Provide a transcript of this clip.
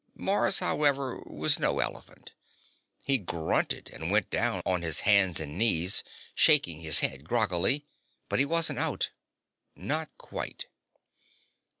Mars, however, was no mere elephant. He grunted and went down on his hands and knees, shaking his head groggily. But he wasn't out. Not quite.